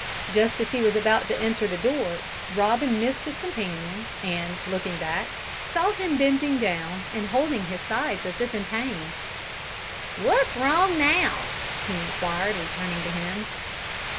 Just as he was about to enter the door, Robin missed his companion, and, looking back, saw him bending down, and holding his sides as if in pain. "Wot's wrong now?" he inquired, returning to him.